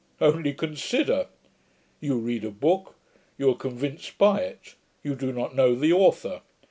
Only consider! You read a book; you are convinced by it; you do not know the authour.